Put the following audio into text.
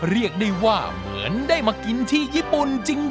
เรียกได้ว่าเหมือนได้มากินที่ญี่ปุ่นจริง